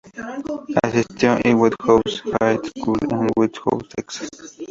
Asistió a Whitehouse High School en Whitehouse, Texas.